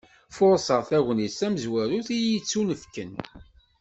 Furseɣ tagnit tamezwarut iyi-d-yettunefken.